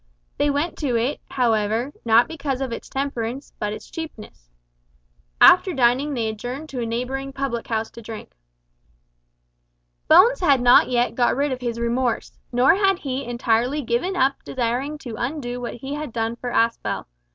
They went to it, however, not because of its temperance but its cheapness. After dining they adjourned to a neighbouring public house to drink. Bones had not yet got rid of his remorse, nor had he entirely given up desiring to undo what he had done for Aspel.